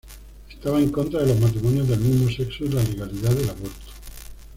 Estaba en contra de los matrimonios del mismo sexo y la legalidad del aborto.